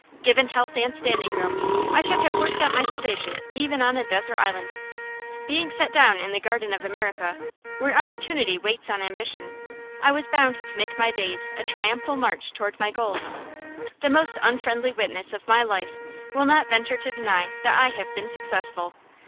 Given health and standing room, I should have worked out my salvation even on a desert island. Being set down in the garden of America, where opportunity waits on ambition, I was bound to make my days a triumphal march toward my goal. The most unfriendly witness of my life will not venture to deny that I have been successful.